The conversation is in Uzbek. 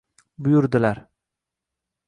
Buyurdilar: